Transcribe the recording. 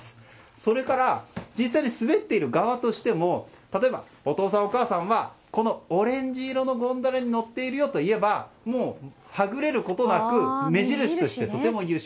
それから実際に滑っている側としても例えば、お父さんお母さんはこのオレンジ色のゴンドラに乗っているよと言えばもう、はぐれることなく目印としてとても優秀。